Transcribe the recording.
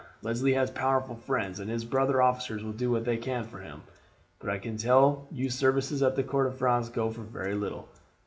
Leslie has powerful friends, and his brother officers will do what they can for him; but I can tell you services at the court of France go for very little.